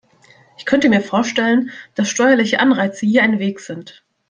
Ich könnte mir vorstellen, dass steuerliche Anreize hier ein Weg sind.